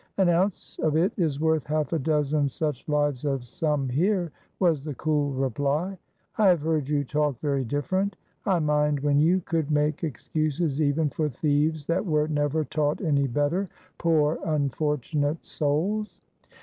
"An ounce of it is worth half a dozen such lives as some here," was the cool reply. "I have heard you talk very different. I mind when you could make excuses even for thieves that were never taught any better, poor unfortunate souls."